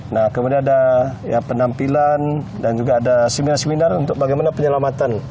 nah kemudian ada penampilan dan juga ada seminar seminar untuk bagaimana penyelamatan